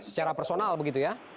secara personal begitu ya